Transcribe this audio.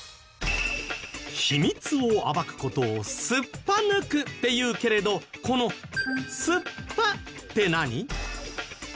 秘密を暴く事を「すっぱ抜く」って言うけれどこの「すっぱ」って何？